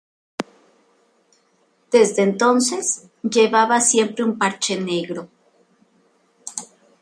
Desde entonces, llevaba siempre un parche negro.